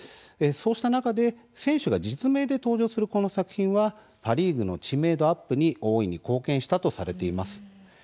そうした中で選手が実名で登場するこの作品はパ・リーグの知名度アップに大いに貢献したといわれています。